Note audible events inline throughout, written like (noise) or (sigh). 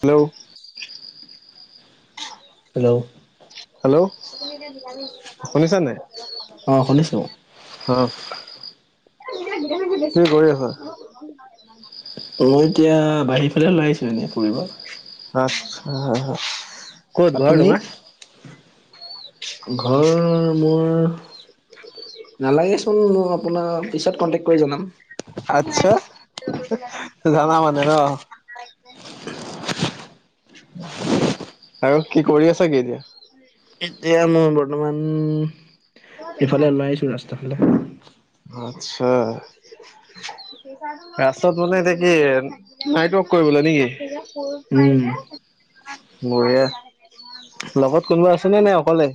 Hello? Hello? Hello শুনিছা নাই? অ', শুনিছো। অ', কি কৰি আছা? (inaudible) মই এতিয়া বাহিৰ ফালে ওলাই আহিছিলো এনেই ফুৰিব। আচ্ছা, ক'ত ঘৰ তুমি তোমৰ? ঘৰ মোৰ নালাগেচোন মই আপোনাক পিছত কণ্টেক্ট কৰি জনাম। আচ্ছা, জানা মানে ন'? আৰু কি কৰি আছা কি এতিয়া? এতিয়া মই বৰ্তমান ইফালে ওলাই আহছো ৰাস্তা ফালে। আচ্ছা। ৰাস্তাত মানে এতিয়া কি নাইট ৱৰ্ক কৰিবলৈ উম নেকি? বঢ়িয়া, লগত কোনোবা আছেনে নে অকলে?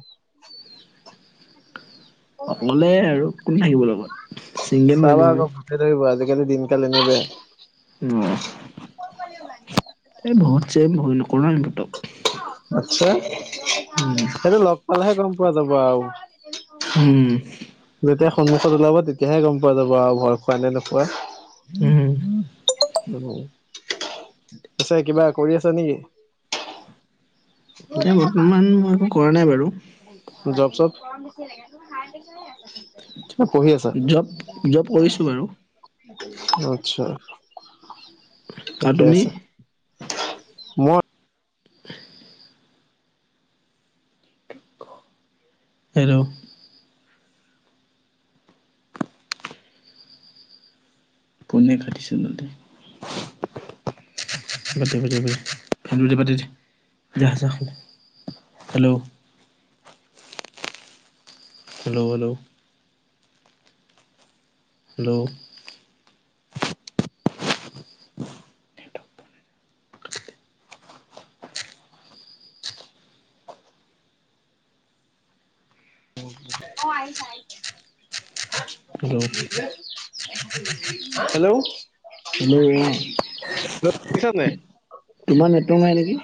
অকলে আৰু কোন থাকিব লগত। চিংগেল মানুহ চাবা আমি আকৌ ভূতে ধৰিব আজিকালি দিনকাল এনেই বেয়া। অ', এই ভূত-চোট ভয় নকৰো ভূতক। আচ্ছা, উম সেইটো লগ পালেহে গ'ম পোৱা যাব আও। উম। যেতিয়া সন্মুখত ওলাব তেতিয়াহে গ'ম পোৱা যাব আৰু ভয় খোৱা নে নোখোৱা? উম। পছে কিবা কৰি আছো নে কি? এতিয়া বৰ্তমান মই একো কৰা নাই বাৰু। Job soap? নে পঢ়ি আছা? জব জব কৰিছো বাৰু আত্ছা, আৰু ঠিকেই তুমি আছে। মই (inaudible) হেল্ল'? কোনে কৰিছে নো তাইক? (unintelligible) যা যা hello? Hello, hello? Hello? (unintelligible) Hello, hello hello অ শুনিছা নে নাই? তোমাৰ নেটৱৰ্ক নাই নেকি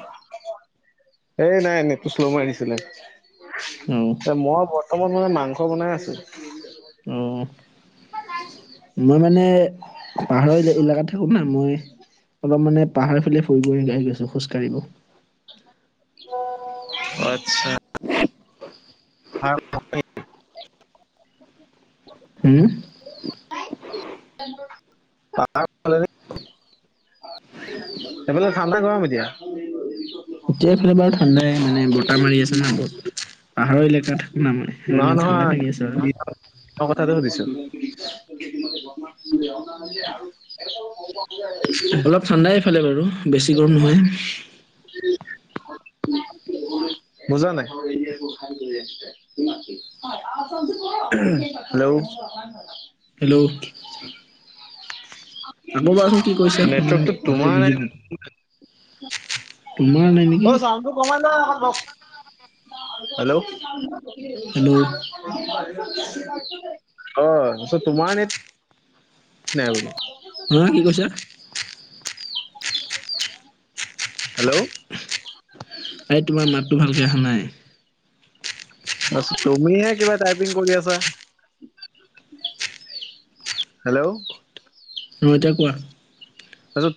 এ নাই নেট তো শ্লো মাৰি দিছিলে। অ মই বৰ্তমান মানে মাংস বনাই আছো। উম। (unintelligible) মই মানে পাহাৰৰ ইলাকাত থাকোঁ না, মই অলপ মানে পাহাৰ ফালে ফুৰিব আহি আছো খোজ কাঢ়িব। অ', আচ্ছা। আৰু হুম (unintelligible) (unintelligible) সফালে ঠাণ্ডা নে গৰম এতিয়া? এতিয়া এইফালে বাৰু ঠাণ্ডাই মানে বতাহ মাৰি আছে ন বহুত, পাহাৰৰ এলেকা থাকো না মই। নহয়, সেইকাৰণে ঠাণ্ডা নহয় লাগি আছে আৰু দিন কথাটো সুধিছো? (unintelligible) ঠাণ্ডাই এফালে বাৰু। বেছি গৰম নহয় উ, উম (unintelligible) বুজা নাই। হেল্ল'? হেল্ল'? (inaudible) আকৌ কোৱাচোন কি কৰিছা শুন নেটৱৰ্কটো ভালকে তোমাৰ নাই। বুজি পুৱানাই। নেকি হেল্ল'? অ', হেল্ল' তোমাৰ নেট নেল। হা কি কৈছা? (inaudible) হেল্ল'? আই তোমাৰ মাতটো ভালকৈ আহা নাই। তুমিহে কিবা টাইপিং কৰি আছা। হেল্ল'? অ', এতিয়া কোৱা?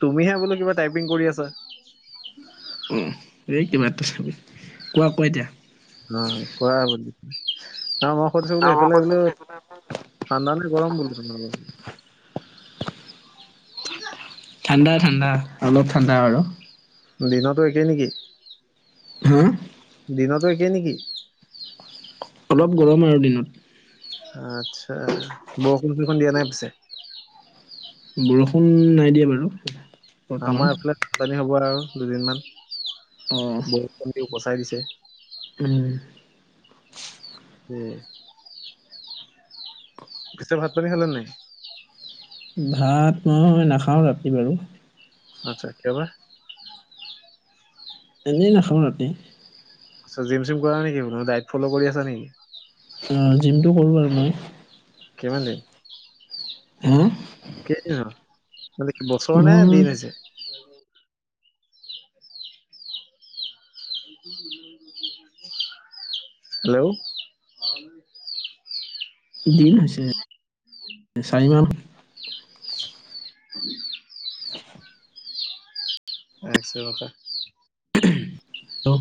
তুমি বুলো কিবা টাইিং কৰি আছা। অ', এই কিবা এটা চাবি, কোৱা কোৱা এতিয়া? অ', কোৱা বুলি, মই সুধিছো বোলো সফালে বোলো ঠানণ্ডানে গৰম তোমালোকৰ? ঠাণ্ডা ঠাণ্ডা, অলপ ঠাণ্ডা আৰু। দিনতো একেই নে কি? হা? দিনতো একে নেকি? অলপ গৰম আৰু দিনত। আচ্ছা, বৰষুণ -চৰষুণ দিয়া নাই পিছে? বৰষুণ নাই দিয়ে বাৰু। বৰ্তমান আমাৰ এইফালে বানপানী হ'ব আৰু দুদিন মান, অ বৰষুণ দি উপচাই দিছে। উম। উম। পিছে ভাত পানী খালে নাই? ভাত মই নাখাওঁ ৰাতি বাৰু। আচ্ছা, কিয় বা? এনেই নাখাওঁ ৰাতি। আচ্ছা, জিম-চিম কৰা নেকি ডাইট ফল কৰি আছা নেকি? উম জিমটো কৰো আৰু মই। কিমান দিন? উম্, কেইদিন হ'ল, বছৰ নে মোৰ দিন হৈছে? হেল্ল'! (unintelligible) দিন হৈছে, চাৰিমান (unintelligible) এক্স ইউ ভাষা! ত'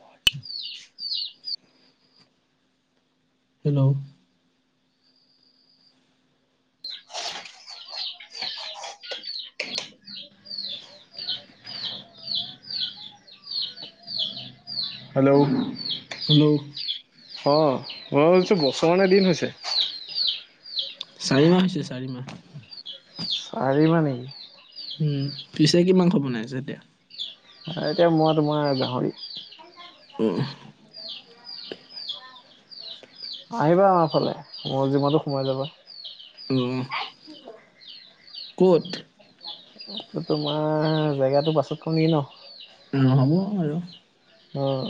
(unintelligible) হেল্ল'! হেল্ল'! হেল্ল'! অ'মই ভাবিছোঁ, বছৰ নে দিন হৈছে! চাৰি মাহ হৈছে, চাৰি মাহ। চাৰি মাহ নেকি? উম্, পিছে কি মাংস বনাইছে এতিয়া? এতিয়া মই তোমাৰ গাহৰি। উম্, আহিবা আমাৰ ফালে, মোৰ জিমতো সোমাই যাবা। উম্, ক'ত? এই তোমাৰ জেগাটো পাছত কম নেকি ন! অ', হ'ব আৰু। অ',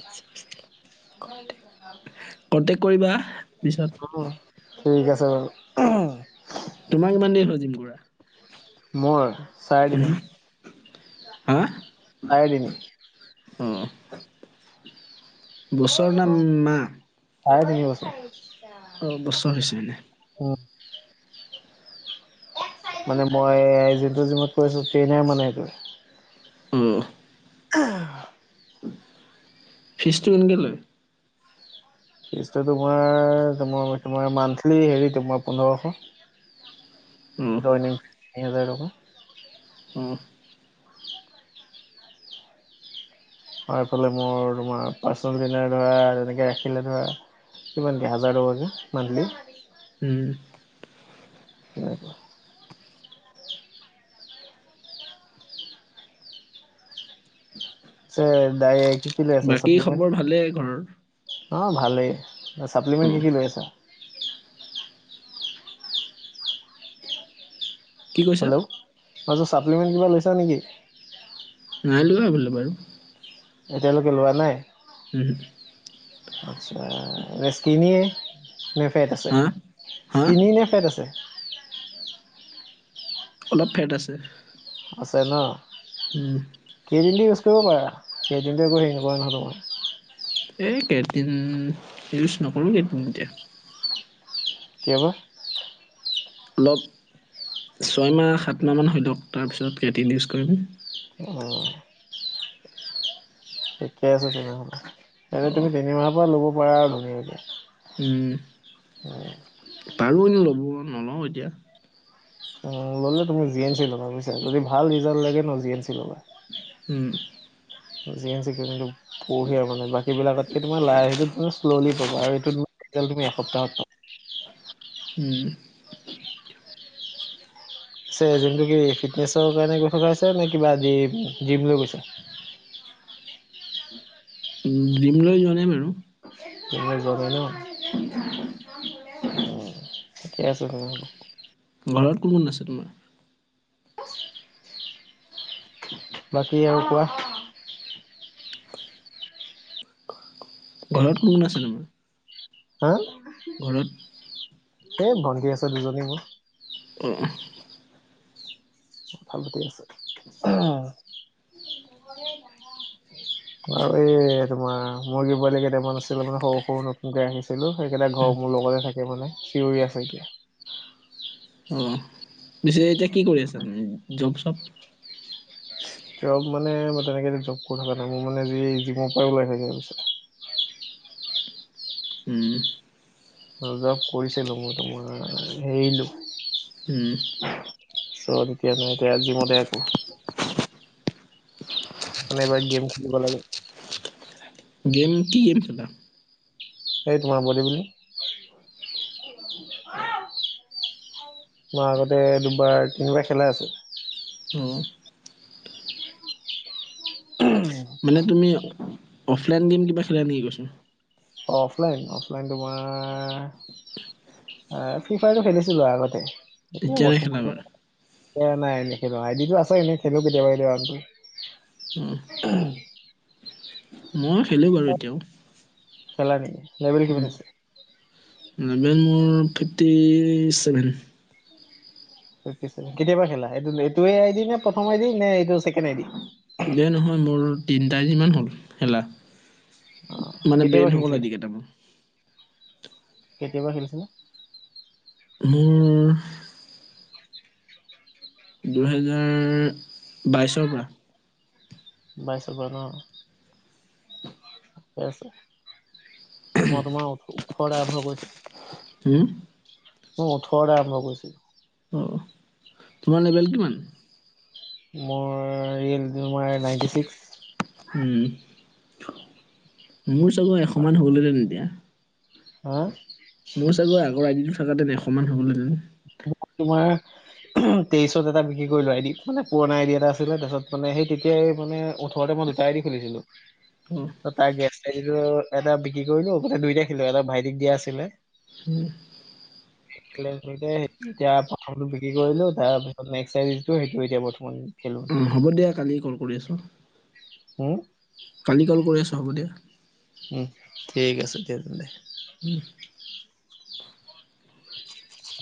আচ্ছা। (unintelligible) কন্তেক কৰিবা পিছত। ন, ঠিক আছে বাৰু! তোমাৰ কিমান দিন হ'ল, জিম কৰা। মোৰ, চাৰেতিনি। চাৰে তিনি। উম্। বছৰ নে মাহ! চাৰে তিনি বছৰ। অ', বছৰ হৈছে মানে। উম্। মানে মই যিটো জিমত কৰি আছোঁ, ট্ৰেইনাৰ মানে সেইটো। অ', অ', ফিছটো কেনেকে লয়? ফিচটো তোমাৰ, তোমাৰ তোমাৰ মান্থলি হেৰি তোমাৰ পোন্ধৰশ। অ', জইনিং তিনিহেজাৰ টকা। উম্। আৰু এইফালে মোৰ তোমাৰ পাৰ্চনেল তোমাৰ তেনেকে ধৰা, তেনেকে ৰাখিলে ধৰা কিমান কে, হাজাৰ টকা কে মান্থলী। উম্। তেনেকোৱা। চে দায় এ বাকী খবৰ ভালেই ঘৰৰ? অ' ভালেই। চাপ্লিমেণ্ট কি অ', কি লৈ আছা? কি কৈছা? হেল্ল', অ বোলো চাপ্লিমেণ্ট কিবা লৈছা নে কি? নাই লোৱা সেইবিলাক বাৰু। এতিয়ালৈকে লোৱা নাই? উমহু। আচ্ছা স্কিনিয়ে নে ফেট আছে হা? হা? স্কিনি নে ফেট আছে? অলপ ফেট আছে। আছে ন। উম। ক্ৰিয়েটিনটো ইউজ কৰিব পাৰা ক্ৰিয়েটিনটো একো হেৰি নকৰে নহয় তোমাৰ। এই ক্ৰিয়েটিন ইউজ নকৰো ক্ৰিয়েটিন এতিয়া। কিয় বা? অলপ ছয়মাহ সাত মাহমান হয় লওক তাৰপিছত ক্ৰিয়েটিন ইউজ কৰিম। অহ'। ঠিক আছে তেনেহলে, তেনে অ তুমি তিনিমাহৰ পৰা ল'ব পাৰা আৰু ধুনীয়াকৈ। উম পাৰো এনে লব, নলওঁ এতিয়া। উম ল'লে তুমি জি এন চি ল'বা বুজিছা যদি ভাল ৰিজাল্ট লাগে ন জি এন চি ল'বা। উম। জি এন চি ক্ৰিয়েটিনটো বঢ়িয়া মানে বাকী বিলাকতকে তোমাৰ লাই সেইটো শ্ললি পাবা আৰু এইটো ৰিজাল্ট তুমি এসপ্তাহত পাবা। উম। পিছে জিমটো কি ফিটনেছৰ কাৰণে গৈ থকা হৈছে নে কিবা দিম ড্ৰীম লৈ গৈছা? উম ড্ৰীম লৈ যোৱা নাই বাৰু। ড্ৰীম লৈ যোৱা নাই ন, উম ঠিকে আছে তেনেহ'লে। ঘৰত কোন কোন আছে তোমাৰ? বাকী আৰু কোৱা। ঘৰত কোন কোন আছে তোমাৰ? হা ঘৰত এই ভণ্টী আছে দুজনী মোৰ। উম কথা পাতি আছে অ'। (unintelligible) আৰু এই তোমাৰ মুৰ্গী পোৱালি কেইটামান আছে মানে সৰু সৰু ন। যে আনিছিলো সেইকেইটা ঘৰ উম মোৰ লগতে থাকে মানে চিঞৰি আছে এতিয়া। অহ' পিছে এতিয়া কি কৰি আছা তুমি জব চব? জব মানে মই তেনেকৈ জব কৰি থকা নাই মোৰ মানে যি জিমৰ পৰাই ওলাই থাকে অ পিছে উম জব কৰিছিলো মই তোমাৰ এৰিলো উম চ এতিয়া, এতিয়া জিমতে আছো। মানে এবাৰ গেম খেলিব লাগে। গেম কি গেম খেলা? এ তোমাৰ বডীজনী মই আগতে দুবাৰ তিনিবাৰ খেলা আছে উম মানে তুমি অফলাইন গেম কিবা খেলা নেকি কৈছো অঁ অফলাইন অফলাইন তোমাৰ এ ফ্ৰী ফায়াৰটো খেলিছিলো আগতে এটো এতিয়া নেখেলা বাৰু বৰ্তমানলৈ নাই এনে নেখেলোঁ আইডীটো আছে এনে খেলো কেতিয়াবা অ কেতিয়াবা আ (unintelligible) মই খেলো বাৰু এতিয়াও খেলা নেকি লাবেল কিমান উম আছে লেভেল মোৰ ফিফটি ছেভেন ফিফটি চেভেন কেতিয়া পা খেলা এইটো এইটোৱে আইদি নে প্ৰথম আই দি নে এইটো ছেকেণ্ড আই দি দে নহয় মোৰ তিনটা আই ডি মান হ'ল খেলা অ মানে কেতিয়াবা বেইন হৈ গ'ল আই খেলিছিলা দি কেইটা মোৰ কেতিয়া পা খেলিছিলা মোৰ দুহেজাৰ বাইশৰ পৰা বাইছৰ পা ন ঠিকে আছে মই তোমাৰ ও ওঠৰতে আৰম্ভ কৰিছো হোম মোৰ ওঠৰত আৰম্ভ কৰিছো অ তোমাৰ লেবেল কিমান মোৰ ৰিল তোমাৰ নাইনটি ছিক্স উম মোৰ চাগৈ এশ মান হল হেতেন এতিয়া হা মোৰ চাগৈ আগৰ আইডীটো থাকাহেতেন এশমান হ'লহেতেন তোমাৰ উম তেইছত এটা বিক্ৰী কৰিলোঁ আই ডি মানে পুৰণা আই ডি এটা আছিলে তাৰপাছ মানে সেই তেতিয়াই মানে ওঠৰতে মই দু দুটা আই ডি খুলিছিলো অ' ত তাৰ গেছটা দিলো এটা বিক্ৰী কৰিলো মানে দুইটাই খেলো এটা ভাইটিক দিয়া আছিলে গতিকে সেটো এতিয়া প্ৰথমতো বিক্ৰী কৰিলো তাৰপিছত নেক্সট আই ডি টো সেইটো এতিয়া বৰ্তমান খেলো। অঁ হ'ব দিয়া কালি কল কৰি আছোঁ উম, কালি কল কৰি আছোঁ হ'ব দিয়া উম ঠিক আছে দিয়া তেন্তে উম (unintelligible)